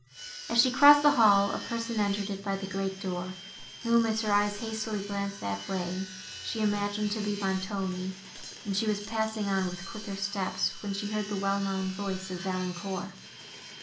As she crossed the hall, a person entered it by the great door, whom, as her eyes hastily glanced that way, she imagined to be Montoni, and she was passing on with quicker steps, when she heard the well known voice of Valancourt.